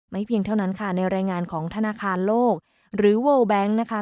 เพียงเท่านั้นค่ะในรายงานของธนาคารโลกหรือโวลแบงค์นะคะ